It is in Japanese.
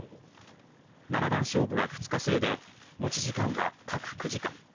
七番勝負は２日制で、持ち時間は各９時間。